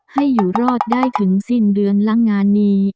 ให้อยู่รอดได้ถึงสิ้นเดือนละงานนี้